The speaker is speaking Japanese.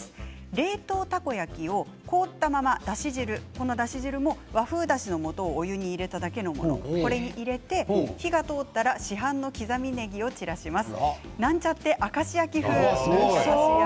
冷凍のたこ焼きを凍ったままだし汁、それも、和風だしをお湯に入れただけのだしそれに入れて火が通ったら市販の刻みねぎを散らします。